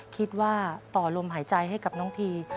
คิดว่าต่อลมหายใจให้กับน้องที